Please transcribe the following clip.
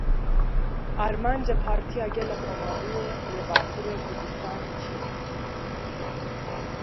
Armanca Partiya Gel a Komariyê li Bakurê Kurdistanê çi ye?